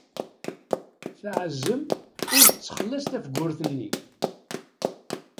Teɛzem ur tettxelliṣ tafgurt-nni.